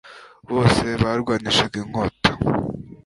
bose barwanishaga inkota